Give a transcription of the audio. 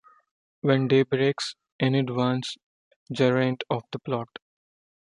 When day breaks, Enid warns Geraint of the plot.